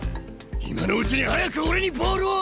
今のうちに早く俺にボールを！